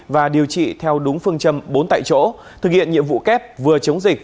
và điều trị theo đúng phương châm bốn tại chỗ thực hiện nhiệm vụ kép vừa chống dịch